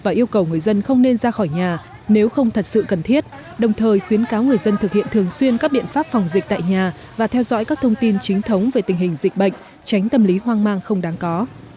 và yêu cầu người dân không nên ra khỏi nhà nếu không thật sự cần thiết đồng thời khuyến cáo người dân thực hiện thường xuyên các biện pháp phòng dịch tại nhà và theo dõi các thông tin chính thống về tình hình dịch bệnh tránh tâm lý hoang mang không đáng có